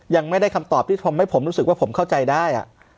ยังไม่ได้คำตอบที่ทำให้ผมรู้สึกว่าผมเข้าใจได้